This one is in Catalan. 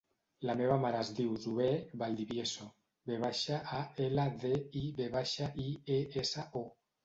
La meva mare es diu Zoè Valdivieso: ve baixa, a, ela, de, i, ve baixa, i, e, essa, o.